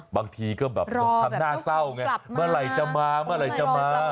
บางทีก็แบบทำหน้าเศร้าไงเมื่อไหร่จะมาเมื่อไหร่จะมา